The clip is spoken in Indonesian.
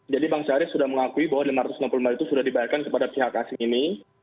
jadi bang syarif sudah mengakui bahwa rp lima ratus enam puluh miliar itu sudah dibayarkan kepada pihak asing ini